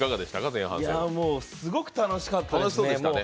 すごく楽しかったですね。